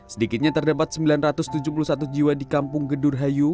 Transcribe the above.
sedikitnya terdapat sembilan ratus tujuh puluh satu jiwa di kampung gedurhayu